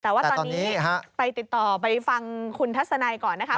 แต่ว่าตอนนี้ไปติดต่อไปฟังคุณทัศนัยก่อนนะคะ